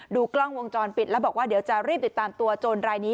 กล้องวงจรปิดแล้วบอกว่าเดี๋ยวจะรีบติดตามตัวโจรรายนี้